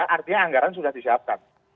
artinya anggaran sudah disiapkan